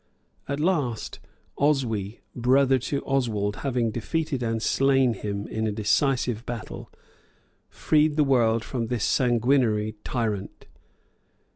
At last Oswy, brother to Oswald, having defeated and slain him in a decisive battle, freed the world from this sanguinary tyrant.